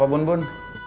apa bun bun